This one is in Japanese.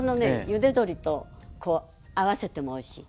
ゆで鶏と合わせてもおいしい。